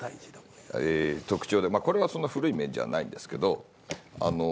これはそんな古い面じゃないんですけど。